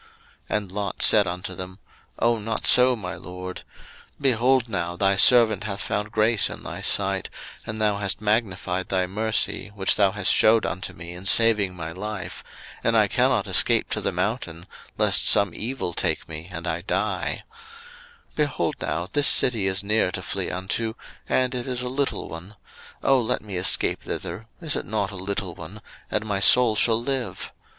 01:019:018 And Lot said unto them, Oh, not so, my LORD: 01:019:019 Behold now, thy servant hath found grace in thy sight, and thou hast magnified thy mercy, which thou hast shewed unto me in saving my life; and I cannot escape to the mountain, lest some evil take me, and I die: 01:019:020 Behold now, this city is near to flee unto, and it is a little one: Oh, let me escape thither, (is it not a little one?) and my soul shall live.